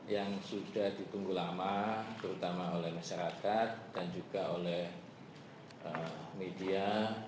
yang sudah ditunggu lama terutama oleh masyarakat dan juga oleh media